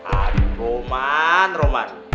aduh roman roman